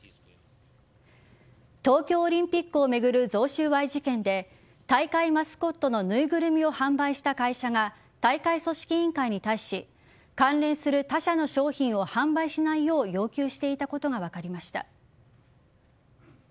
東京オリンピックを巡る贈収賄事件で大会マスコットの縫いぐるみを販売した会社が大会組織委員会に対し関連する他社の商品を販売しないよう要求していたことが分かりました。